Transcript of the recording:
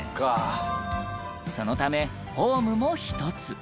そのためホームも１つ。